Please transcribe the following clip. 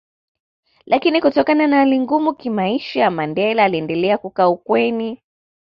Lakini Kutokana na hali ngumu kimaisha Mandela aliendelea kukaa ukweni